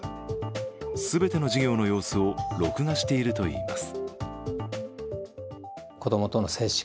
全ての授業の様子を録画しているといいます。